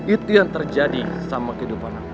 itu yang terjadi sama kehidupan aku